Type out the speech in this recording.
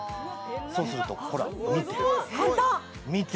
そうするとほら見て見て！